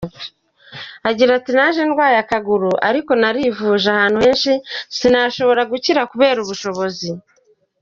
Agira ati “Naje ndwaye akaguru, ariko narivurije ahantu henshi sinashobora gukira kubera ubushobozi.